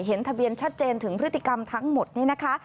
เห็นทะเบียนชัดเจนถึงพฤติกรรมทั้งหมดนี้นะคะ